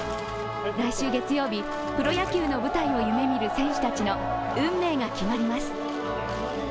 来週月曜日、プロ野球の舞台を夢見る選手たちの運命が決まります。